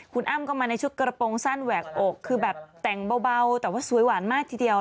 คุณอ้ำก็มาในชุดกระโปรงสั้นแหวกอกคือแบบแต่งเบาแต่ว่าสวยหวานมากทีเดียว